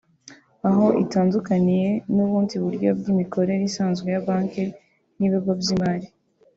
aho itandukaniye n’ubundi buryo bw’imikorere isanzwe ya Banki n’ibigo by’imari